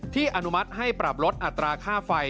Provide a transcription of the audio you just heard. อนุมัติให้ปรับลดอัตราค่าไฟ